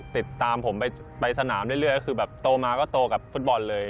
ติดตามผมไปสนามเรื่อยก็คือแบบโตมาก็โตกับฟุตบอลเลย